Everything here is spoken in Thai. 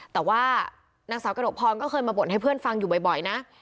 แต่ว่านางสาวกระหนกพรก็เคยมาบ่นให้เพื่อนฟังอยู่บ่อยนะ